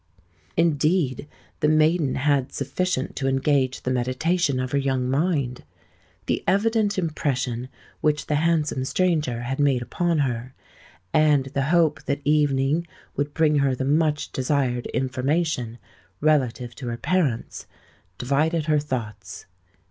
Indeed, the maiden had sufficient to engage the meditation of her young mind. The evident impression which the handsome stranger had made upon her, and the hope that evening would bring her the much desired information relative to her parents, divided her thoughts.